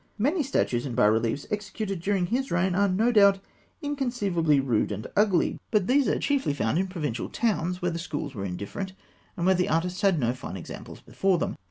Many statues and bas reliefs executed during his reign are no doubt inconceivably rude and ugly; but these are chiefly found in provincial towns where the schools were indifferent, and where the artists had no fine examples before them.